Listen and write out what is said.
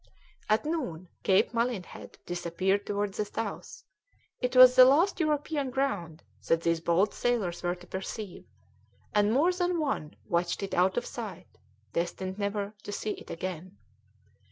At noon Cape Malinhead disappeared towards the south; it was the last European ground that these bold sailors were to perceive, and more than one watched it out of sight, destined never to see it again.